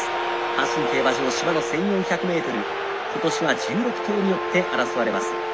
阪神競馬場芝の１，４００ｍ今年は１６頭によって争われます。